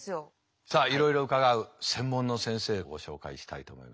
さあいろいろ伺う専門の先生ご紹介したいと思います。